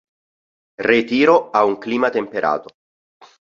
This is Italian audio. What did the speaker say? Retiro ha un clima temperato.